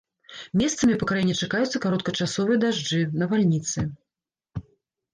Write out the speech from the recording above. Месцамі па краіне чакаюцца кароткачасовыя дажджы, навальніцы.